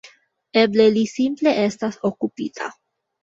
Eble li simple estas okupita.